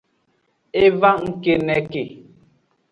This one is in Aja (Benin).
E va ngkeneke.